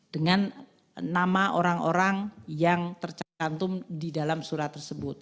dengan nama orang orang yang tercantum di dalam surat tersebut